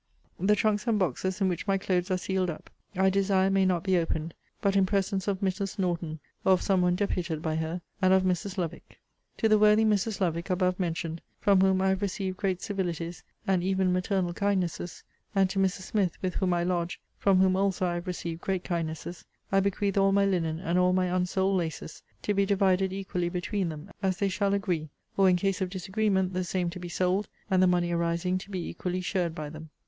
The trunks and boxes in which my clothes are sealed up, I desire may not be opened, but in presence of Mrs. Norton (or of someone deputed by her) and of Mrs. Lovick. To the worthy Mrs. Lovick, above mentioned, from whom I have received great civilities, and even maternal kindnesses; and to Mrs. Smith (with whom I lodge) from whom also I have received great kindnesses; I bequeath all my linen, and all my unsold laces; to be divided equally between them, as they shall agree; or, in case of disagreement, the same to be sold, and the money arising to be equally shared by them.